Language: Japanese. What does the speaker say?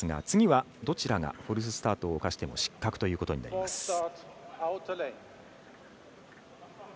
次はどちらが違反スタートをしても失格ということになります。